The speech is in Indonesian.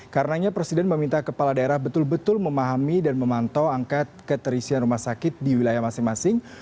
karenanya presiden meminta kepala daerah betul betul memahami dan memantau angkat keterisian rumah sakit di wilayah masing masing